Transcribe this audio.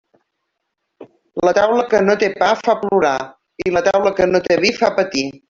La taula que no té pa fa plorar, i la taula que no té vi fa patir.